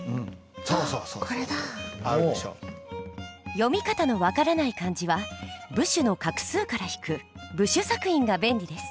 読み方の分からない漢字は部首の画数から引く部首索引が便利です。